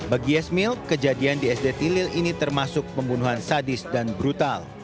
bagi yasmil kejadian di sd tilil ini termasuk pembunuhan sadis dan brutal